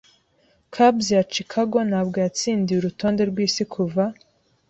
Cubs ya Chicago ntabwo yatsindiye Urutonde rwisi kuva